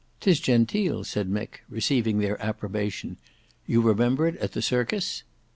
"'Tis genteel," said Mick, receiving their approbation. "You remember it at the Circus?"